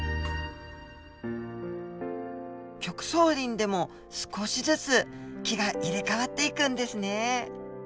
極相林でも少しずつ木が入れ代わっていくんですね。